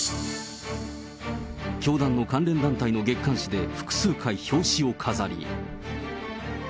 教団の関連団体の月刊誌で複数回表紙を飾り。